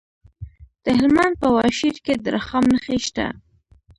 د هلمند په واشیر کې د رخام نښې شته.